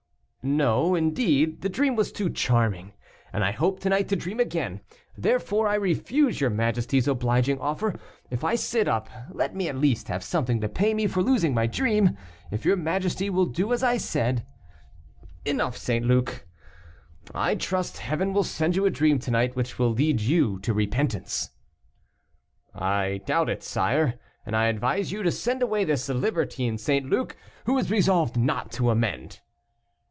"No, indeed, the dream was too charming; and I hope to night to dream again; therefore I refuse your majesty's obliging offer. If I sit up, let me at least have something to pay me for losing my dream. If your majesty will do as I said " "Enough, St. Luc. I trust Heaven will send you a dream to night which will lead you to repentance." "I doubt it, sire, and I advise you to send away this libertine St. Luc, who is resolved not to amend."